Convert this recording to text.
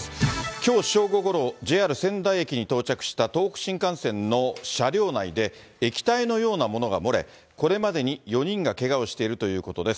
きょう正午ごろ、ＪＲ仙台駅に到着した東北新幹線の車両内で、液体のようなものが漏れ、これまでに４人がけがをしているということです。